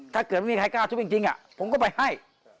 ถ้าเกิดไม่มีใครกล้าทุบจริงผมก็ไปให้